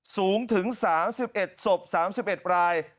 สูงถึง๓๑ศพ๓๑ราย